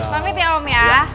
pamit ya om ya